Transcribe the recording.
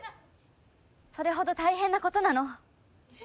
それほど大変なことなの。